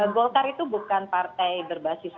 golkar itu bukan partai berbasis